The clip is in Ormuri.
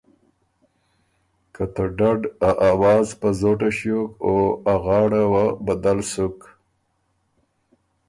که ته ډډ ا اواز په زوټه ݭیوک او ا غاړه وه بدل سُک